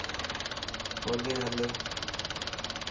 ھوڏي ھل